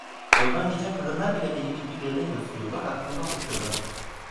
Yoldan geçen kadınlar bile beni birbirlerine gösteriyorlar, arkamdan bakıyorlardı.